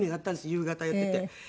夕方やっていて。